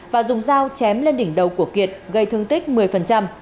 và dùng dao chém lên đỉnh đầu của kiệt gây thương tích một mươi